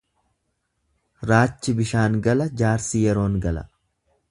Raachi bishaan gala, jaarsi yeroon gala.